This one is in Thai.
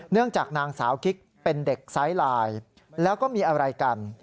เนื่องจากนางสาวคิกเป็นเด็กสายลายแล้วก็มีอะไรกัน